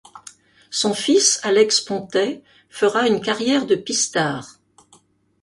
Son fils Alex Pontet fera une carrière de pistard.